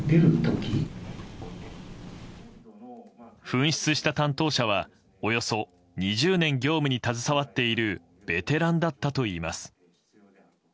紛失した担当者はおよそ２０年業務に携わっているベテランだったといいます。